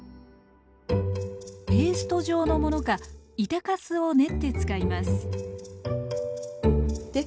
ペースト状のものか板かすを練って使いますで